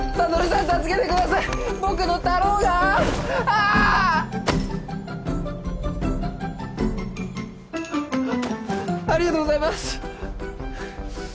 ありがとうございます。